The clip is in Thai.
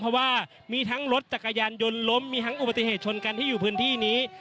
เพราะว่ามีทั้งรถจักรยานยนต์ล้มมีทั้งอุบัติเหตุชนกันที่อยู่พื้นที่นี้